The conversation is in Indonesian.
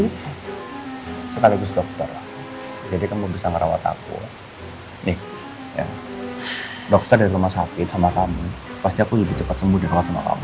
pasti aku lebih cepat sembuh di rumah sama kamu